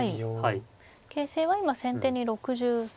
形勢は今先手に６３％ですね。